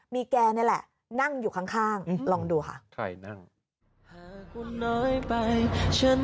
มีแกนี่แหละนั่งอยู่ข้างลองดูค่ะ